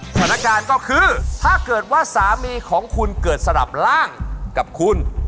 สถานการณ์ก็คือถ้าเกิดว่าสามีของคุณเกิดสลับร่างกับคุณ